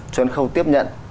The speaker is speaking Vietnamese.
cho đến khâu tiếp nhận